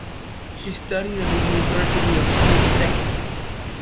She studied at the University of the Free State.